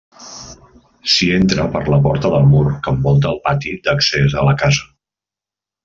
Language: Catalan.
S'hi entra per la porta del mur que envolta el pati d'accés a la casa.